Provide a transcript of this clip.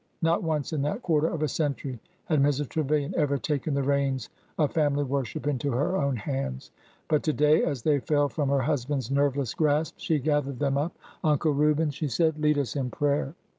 Not once in that quarter of a century had Mrs. Trevilian ever taken the reins of family worship into her own hands. But to day, as they fell from her husband's nerveless grasp, she gathered them up. '' Uncle Reuben," she said, lead us in prayer."